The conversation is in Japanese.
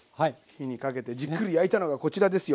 火にかけてじっくり焼いたのがこちらですよ。